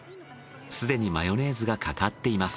すでにマヨネーズがかかっています。